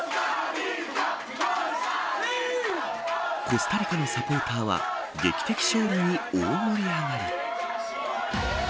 コスタリカのサポーターは劇的勝利に大盛り上がり。